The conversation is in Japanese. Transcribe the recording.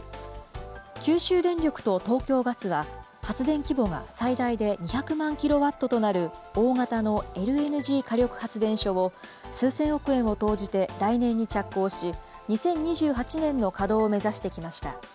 九州電力と東京ガスは、発電規模が最大で２００万キロワットとなる大型のＬＮＧ火力発電所を、数千億円を投じて来年に着工し、２０２８年の稼働を目指してきました。